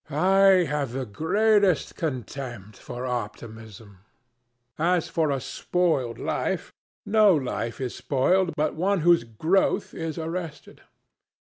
I have the greatest contempt for optimism. As for a spoiled life, no life is spoiled but one whose growth is arrested.